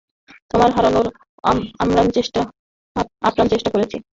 তোমায় হারানোর আপ্রাণ চেষ্টা করেছি।